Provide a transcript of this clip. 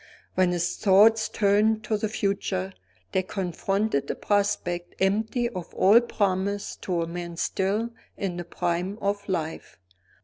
When his thoughts turned to the future, they confronted a prospect empty of all promise to a man still in the prime of life.